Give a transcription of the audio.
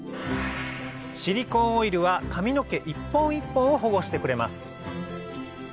シリコーンオイルは髪の毛１本１本を保護してくれます